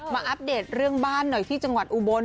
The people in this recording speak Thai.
อัปเดตเรื่องบ้านหน่อยที่จังหวัดอุบล